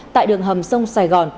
tại đường hầm sông sài gòn